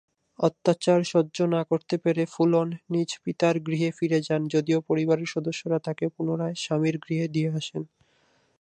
অত্যাচার সহ্য না করতে পেরে ফুলন নিজ পিতার গৃহে ফিরে যান যদিও পরিবারের সদস্যরা তাকে পুনরায় স্বামীর গৃহে দিয়ে আসেন।